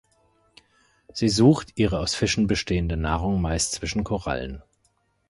Sie sucht ihre aus Fischen bestehende Nahrung meist zwischen Korallen.